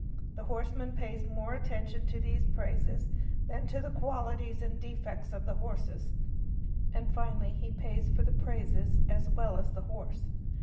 The horseman pays more attention to these praises than to the qualities and | HORSE FRAUDS 805 defects of the horse, and finally he pays for the praises as well as the horse.